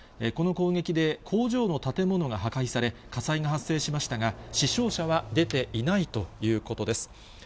この攻撃で、工場の建物が破壊され、火災が発生しましたが、死傷者は出ていないということです。